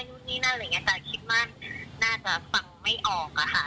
นู่นนี่นั่นอะไรอย่างเงี้แต่คิดว่าน่าจะฟังไม่ออกอะค่ะ